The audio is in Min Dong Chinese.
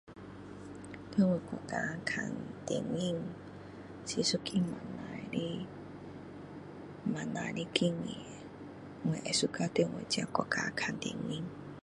在我国家看电影是一个一个不错的经验我会 suka 在我的国家看电影